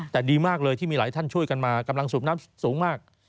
แต่ดีมากเลยที่มีหลายท่านช่วยกันมากำลังสูบน้ำสูงมาก